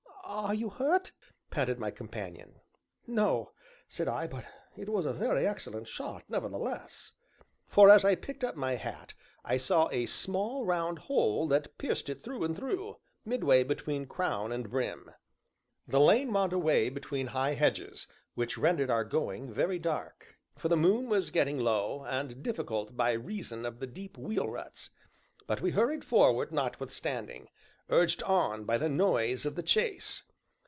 "Are you hurt?" panted my companion. "No," said I, "but it was a very excellent shot nevertheless!" For, as I picked up my hat, I saw a small round hole that pierced it through and through, midway between crown and brim. The lane wound away between high hedges, which rendered our going very dark, for the moon was getting low, and difficult by reason of the deep wheel ruts; but we hurried forward notwithstanding, urged on by the noise of the chase.